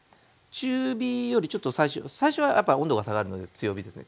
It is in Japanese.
中火よりちょっと最初最初はやっぱ温度が下がるので強火ですね。